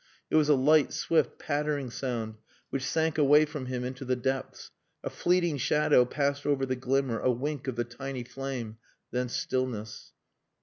It was a light, swift, pattering sound, which sank away from him into the depths: a fleeting shadow passed over the glimmer a wink of the tiny flame. Then stillness.